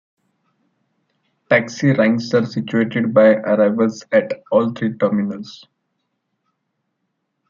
Taxi ranks are situated by arrivals at all three terminals.